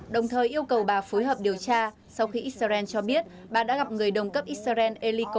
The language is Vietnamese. đồng thời yêu cầu bà phối hợp điều tra sau khi israel cho biết bà đã gặp người đồng cấp israel eliko